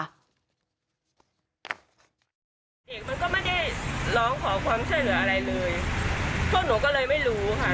เด็กมันก็ไม่ได้ร้องขอความช่วยเหลืออะไรเลยพวกหนูก็เลยไม่รู้ค่ะ